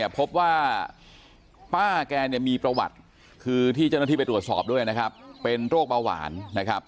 พบว่าป้าแกมีประวัติคือที่เจ้าหน้าที่ไปตรวจสอบด้วยนะครับเป็นโรคเบาหวานนะครับ